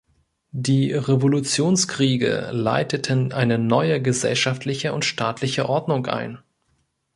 Die Revolutionskriege leiteten eine neue gesellschaftliche und staatliche Ordnung ein.